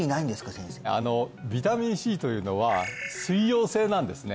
先生ビタミンＣというのは水溶性なんですね